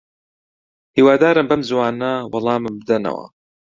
هیوادارم بەم زووانە وەڵامم بدەنەوە.